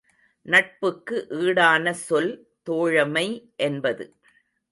நட்புக்கு ஈடான சொல் தோழமை என்பது.